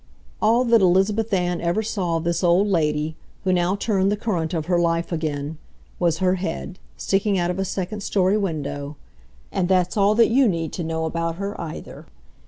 All that Elizabeth Ann ever saw of this old lady, who now turned the current of her life again, was her head, sticking out of a second story window; and that's all that you need to know about her, either.